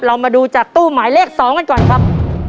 เรามาดูจากตู้หมายเลข๒กันก่อนครับ